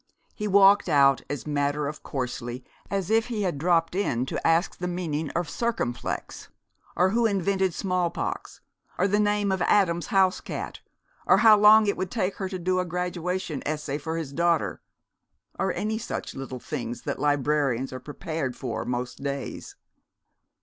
He walked out as matter of coursely as if he had dropped in to ask the meaning of "circumflex," or who invented smallpox, or the name of Adam's house cat, or how long it would take her to do a graduation essay for his daughter or any such little things that librarians are prepared for most days.